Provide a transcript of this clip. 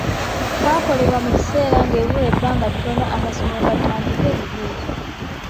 Kwakolebwa mu kiseera ng’ebula ebbanga ttono amasomero gatandike ebigezo.